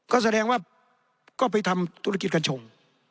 ก็แสดงว่าก็ไปทำธุรกิจกัญชง